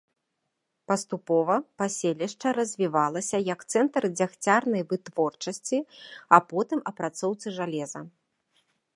Паступова паселішча развівалася як цэнтр дзягцярнай вытворчасці, а потым апрацоўцы жалеза.